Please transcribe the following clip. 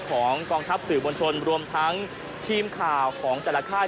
ของกองทัพสื่อมวลชนรวมทั้งทีมข่าวของแต่ละค่าย